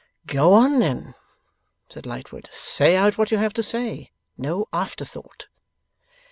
'Go on, then,' said Lightwood. 'Say out what you have to say. No after thought.